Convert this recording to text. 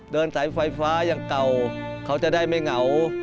เดินสายไฟฟ้าอย่างเก่าเขาจะได้ไม่เหงา